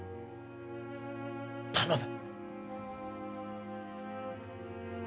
頼む！